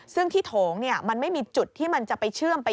ซึ่งที่โถงมันไม่มีจุดที่มันจะไปเชื่อมไป